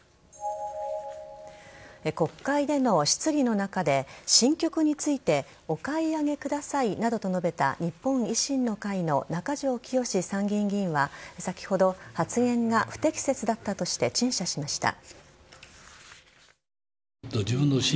国会での質疑の中で新曲についてお買い上げくださいなどと述べた日本維新の会の中条きよし参議院議員は先ほど、発言が不適切だったとして陳謝しました。